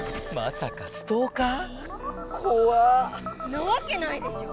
なわけないでしょ！